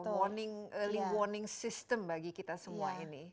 warning early warning system bagi kita semua ini